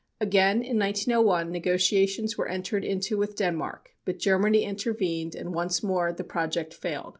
Again, in 1901, negotiations were entered into with Denmark, but Germany intervened, and once more the project failed.